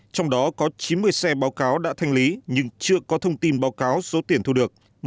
trong đó có chín mươi xe báo cáo đã thanh lý nhưng chưa có thông tin báo cáo số tiền thu được